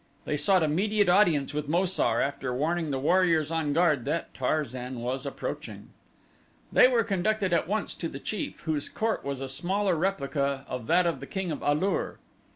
They sought immediate audience with Mo sar, after warning the warriors on guard that Tarzan was approaching. They were conducted at once to the chief, whose court was a smaller replica of that of the king of A lur.